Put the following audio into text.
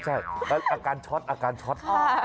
ใช่อาการช็อตอาการช็อต